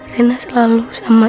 rena selalu sama